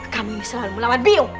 kamu ini selalu melawan biung